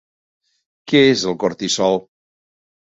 Què és el cortisol?